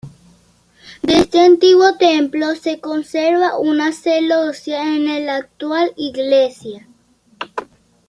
De este antiguo templo se conserva una celosía en el actual iglesia.